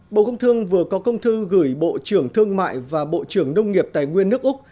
bộ công thương vừa có công thư gửi bộ trưởng thương mại và bộ trưởng nông nghiệp tài nguyên nước úc